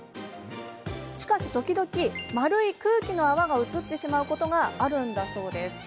しかし、時々、丸い空気の泡が映ってしまうことがあるんだそうです。